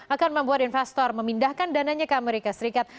akan membuat investor memindahkan dananya ke amerika serikat